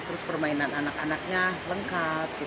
terus permainan anak anaknya lengkap